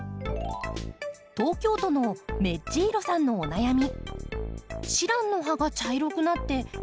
東京都のめっじーろさんのお悩み。